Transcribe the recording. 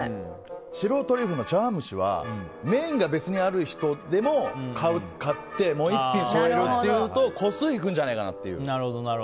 白トリュフの茶わん蒸しはメインが別にある人でも買ってもう一品添えるっていうと個数いくんじゃないかなという。